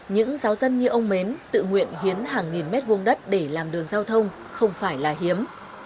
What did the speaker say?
những giáo dân như ông mến tự nguyện hiến hàng nghìn mét vuông đất để làm đường giao thông không phải là hiếm